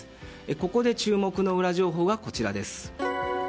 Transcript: ここで注目のウラ情報はこちらです。